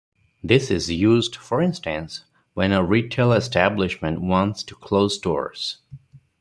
This is used, for instance, when a retail establishment wants to close stores.